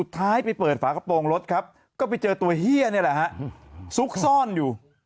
ไปเปิดฝากระโปรงรถครับก็ไปเจอตัวเฮียนี่แหละฮะซุกซ่อนอยู่